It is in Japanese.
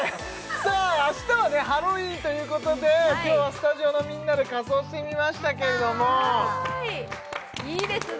さあ明日はハロウィーンということで今日はスタジオのみんなで仮装してみましたけれどもはーいいいですね